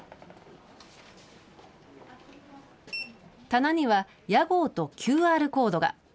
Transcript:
棚には屋号とＱＲコードが。